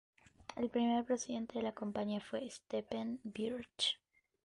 El primer presidente de la compañía fue Stephen Birch.